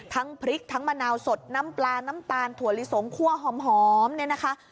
ทั้งพริกทั้งมะนาวสดน้ำปลาน้ำตาลถั่วลิสงคั่วหอมเนี่ยนะคะ